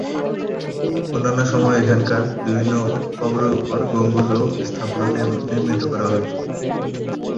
অন্যান্য সময়েও এখানকার বিভিন্ন কবরের উপর গম্বুজ ও স্থাপনা নির্মিত হয়েছে।